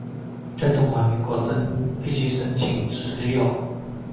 在中华民国必须申请持有。